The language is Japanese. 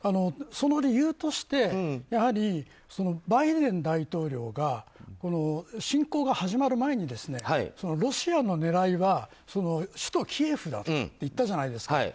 その理由としてやはりバイデン大統領が侵攻が始まる前にロシアの狙いは首都キエフだと言ったじゃないですか。